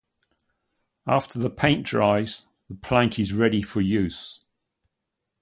After the paint dries the plank is ready for use.